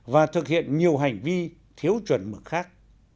và thực hiện nhiều hành vi thiếu chuẩn mực khác